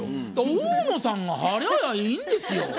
大野さんが払やいいんですよ。